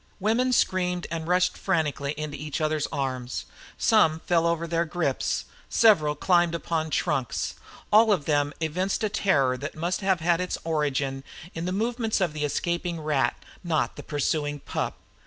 Women screamed and rushed frantically into each others' arms; some fell over their grips; several climbed upon trunks; all of them evinced a terror that must have had its origin in the movements of the escaping rat, not the pursuing pup.